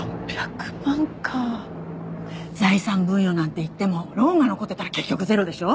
財産分与なんていってもローンが残ってたら結局ゼロでしょ？